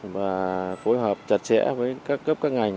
và phối hợp chặt chẽ với các cấp các ngành